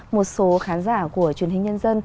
một số khán giả của truyền hình nhân dân